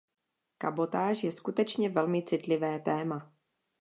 Kabotáž je skutečně velmi citlivé téma.